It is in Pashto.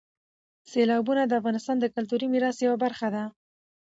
سیلابونه د افغانستان د کلتوري میراث یوه برخه ده.